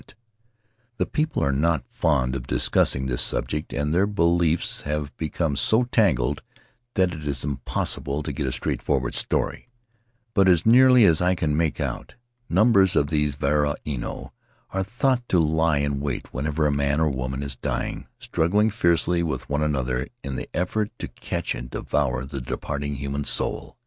The [ 268 ] At the House of Tari people are not fond of discussing this subject, and their beliefs have become so tangled that it is impos sible to get a straightforward story, but as nearly as I can make out, numbers of these varua ino are thought to lie in wait wherever a man or woman is dying, struggling fiercely with one another in their effort to catch and devour the departing human soul.